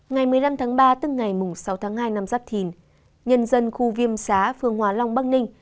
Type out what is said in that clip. ngày một mươi năm tháng ba tức ngày sáu tháng hai năm giáp thìn nhân dân khu viêm xá phương hòa long bắc ninh